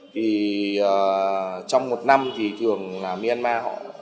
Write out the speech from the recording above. thì trong một năm thì thường là myanmar họ